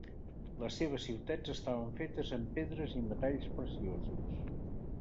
Les seves ciutats estaven fetes amb pedres i metalls preciosos.